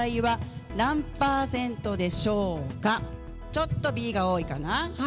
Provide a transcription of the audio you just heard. ちょっとＢが多いかな？